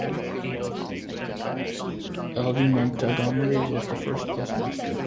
L. D. Montgomery was the first postmaster.